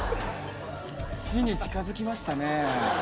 死に近づきましたね。